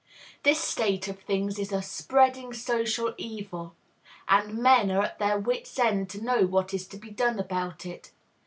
This state of things is "a spreading social evil," and men are at their wit's end to know what is to be done about it.